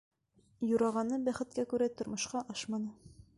Юрағаны, бәхеткә күрә, тормошҡа ашманы.